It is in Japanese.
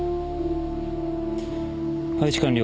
配置完了。